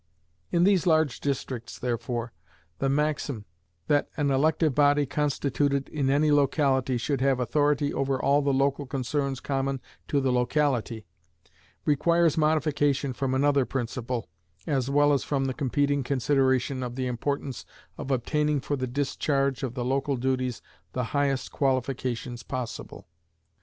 In these large districts, therefore, the maxim, that an elective body constituted in any locality should have authority over all the local concerns common to the locality, requires modification from another principle, as well as from the competing consideration of the importance of obtaining for the discharge of the local duties the highest qualifications possible.